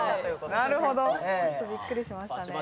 ちょっとびっくりしましたね。